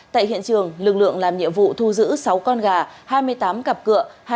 tại hiện trường lực lượng làm nhiệm vụ thu giữ sáu con gà hai mươi tám cặp cửa